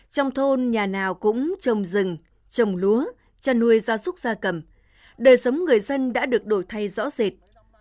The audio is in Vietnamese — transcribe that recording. trong thôn nhà nào cũng trồng rừng trồng lúa chăn nuôi gia súc gia cầm đời sống người dân đã được đổi thay rõ rệt